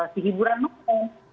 si hiburan nukung